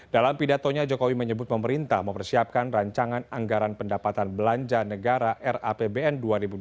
dalam pidatonya jokowi menyebut pemerintah mempersiapkan rancangan anggaran pendapatan belanja negara rapbn dua ribu dua puluh